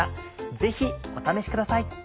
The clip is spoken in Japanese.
ぜひお試しください。